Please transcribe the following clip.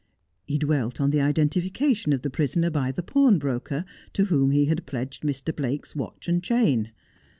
He dwelt on the identification of the prisoner by the pawn broker to whom he had pledged Mr. Blake's watch a.nd chain.